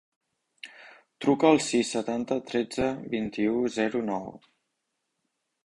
Truca al sis, setanta, tretze, vint-i-u, zero, nou.